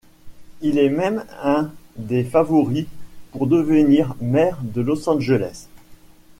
Il est même un des favoris pour devenir maire de Los Angeles.